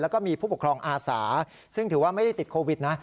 แล้วก็มีผู้ปกครองอาสาซึ่งถือว่าไม่ได้ติดโควิดนะ